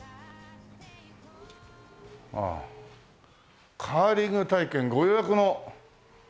ああ「カーリング体験ご予約のお客様」。